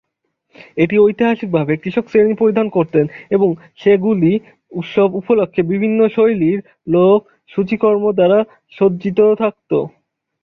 এটি ঐতিহাসিকভাবে কৃষক শ্রেণি পরিধান করতেন এবং সেগুলি উৎসব উপলক্ষে বিভিন্ন শৈলীর লোক সূচিকর্ম দ্বারা সজ্জিত থাকত।